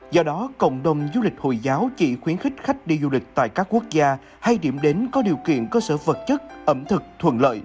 do đó cộng đồng du lịch hồi giáo chỉ khuyến khích khách đi du lịch tại các quốc gia hay điểm đến có điều kiện cơ sở vật chất ẩm thực thuận lợi